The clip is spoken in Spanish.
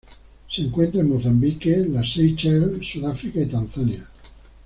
Se encuentra en Mozambique, las Seychelles, Sudáfrica y Tanzania.